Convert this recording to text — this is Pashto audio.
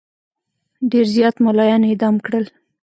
ډېر زیات مُلایان اعدام کړل.